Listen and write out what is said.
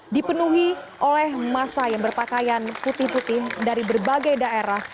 dipenuhi oleh masa yang berpakaian putih putih dari berbagai daerah